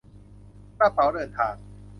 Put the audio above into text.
กระเป๋าเดินทาง